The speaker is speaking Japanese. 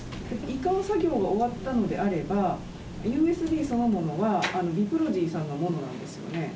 移管作業が終わったのであれば、ＵＳＢそのものはビプロジーさんのものなんですよね？